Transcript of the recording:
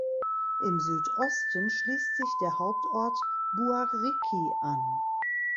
Im Südosten schließt sich der Hauptort Buariki an.